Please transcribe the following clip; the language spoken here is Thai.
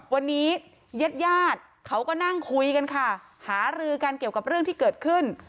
วันนี้ญาติญาติเขาก็นั่งคุยกันค่ะหารือกันเกี่ยวกับเรื่องที่เกิดขึ้น